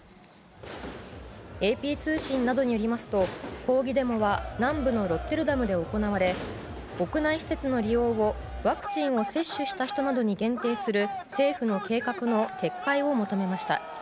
ＡＰ通信などによりますと抗議デモは南部のロッテルダムで行われ屋内施設の利用を、ワクチンを接種した人などに限定する政府の計画の撤回を求めました。